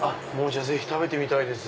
ぜひ食べてみたいです。